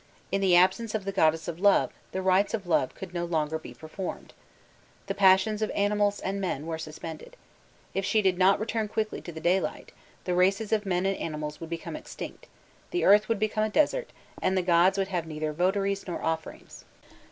In the absence of the goddess of love, the rites of love could no longer be performed. The passions of animals and men were suspended. If she did not return quickly to the daylight, the races of men and animals would become extinct, the earth would become a desert, and the gods would have neither votaries nor offerings.